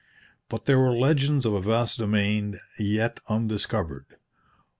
But there were legends of a vast domain yet undiscovered.